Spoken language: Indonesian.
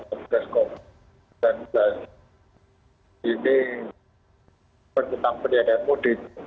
dan ini berkaitan penyedaran mudik